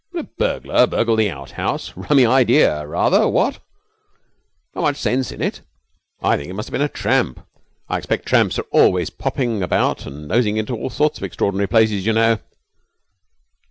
'Would a burglar burgle the outhouse? Rummy idea, rather, what? Not much sense in it. I think it must have been a tramp. I expect tramps are always popping about and nosing into all sorts of extraordinary places, you know.'